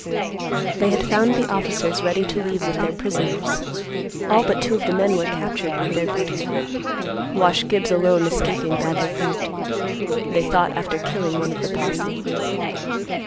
They had found the officers ready to leave with their prisoners. All but two of the men were captured with their booty—Wash Gibbs alone escaping badly hurt, they thought, after killing one of the posse.